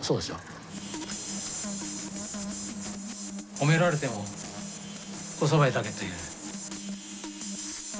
褒められてもこそばいだけという。